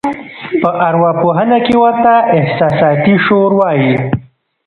په اروا پوهنه کې ورته احساساتي شور وایي.